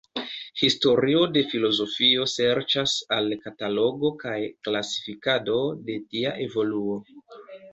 Historio de filozofio serĉas al katalogo kaj klasifikado de tia evoluo.